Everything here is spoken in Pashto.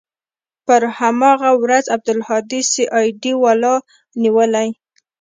پر هماغه ورځ عبدالهادي سي آى ډي والاو نيولى.